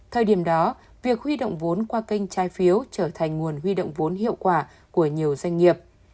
thời điểm đó việc huy động vốn qua kênh trái phiếu trở thành nguồn huy động vốn hiệu quả của nhiều doanh nghiệp